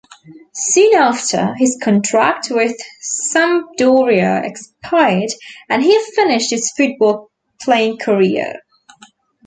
Soon after, his contract with Sampdoria expired and he finished his football playing career.